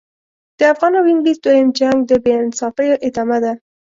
د افغان او انګلیس دوهم جنګ د بې انصافیو ادامه ده.